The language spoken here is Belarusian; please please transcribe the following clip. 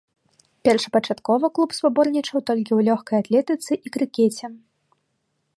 Першапачаткова клуб спаборнічаў толькі ў лёгкай атлетыцы і крыкеце.